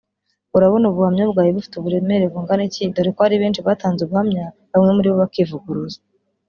urabona ubu buhamya bwawe bufite uburemere bungana iki dore ko hari benshi batanze ubuhamya bamwe muri bo bakivuguruza